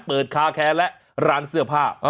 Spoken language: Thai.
เปิดคาแคและร้านเสื้อผ้า